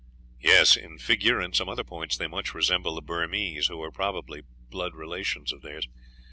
"Yes, in figure and some other points they much resemble the Burmese, who are probably blood relations of theirs.